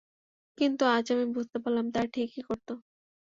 কিন্তু আজ আমি বুঝতে পারলাম, তারা ঠিকই করতো।